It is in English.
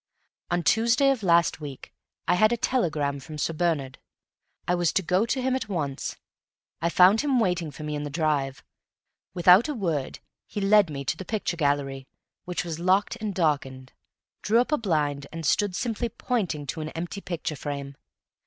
"On Tuesday of last week I had a telegram from Sir Bernard; I was to go to him at once. I found him waiting for me in the drive; without a word he led me to the picture gallery, which was locked and darkened, drew up a blind, and stood simply pointing to an empty picture frame.